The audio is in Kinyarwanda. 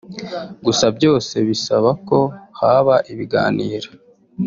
gusa byose bisaba ako haba ibiganiro